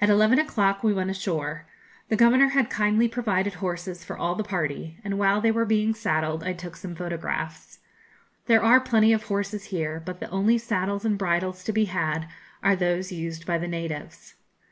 At eleven o'clock we went ashore. The Governor had kindly provided horses for all the party, and while they were being saddled I took some photographs. There are plenty of horses here, but the only saddles and bridles to be had are those used by the natives.